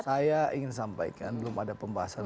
saya ingin sampaikan belum ada pembahasan